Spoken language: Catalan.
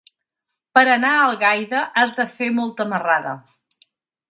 Per anar a Algaida has de fer molta marrada.